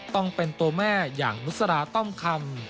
ต้องเป็นตัวแม่อย่างนุษราต้อมคำ